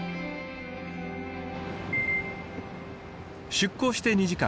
出港して２時間。